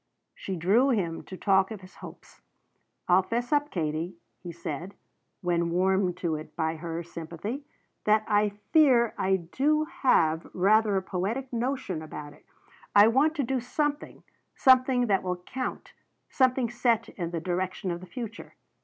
She drew him to talk of his hopes. "I'll fess up, Katie," he said, when warmed to it by her sympathy, "that I fear I do have rather a poetic notion about it. I want to do something something that will count, something set in the direction of the future.